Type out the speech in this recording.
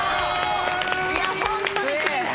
いやホントに僅差。